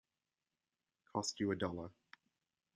Cost you a dollar.